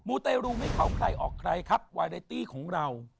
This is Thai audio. ูเตรูไม่เข้าใครออกใครครับวาเรตี้ของเรา